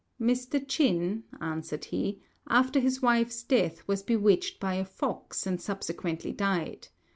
"Mr. Ch'in," answered he, "after his wife's death was bewitched by a fox, and subsequently died.